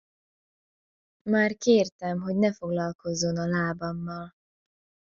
Már kértem, hogy ne foglalkozzon a lábammal!